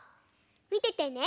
みててね。